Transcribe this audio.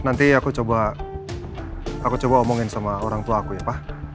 nanti aku coba aku coba omongin sama orangtuaku ya pak